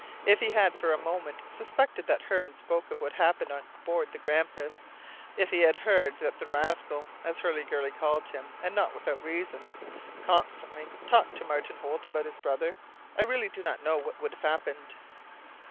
If he had for a moment suspected that Hearne spoke of what happened on board the Grampus, if he had heard that the rascal (as Hurliguerly called him, and not without reason) constantly talked to Martin Holt about his brother, I really do not know what would have happened.